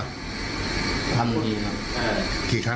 สมตีไหม